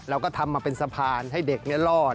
เราก็ทำมาเป็นสะพานให้เด็กรอด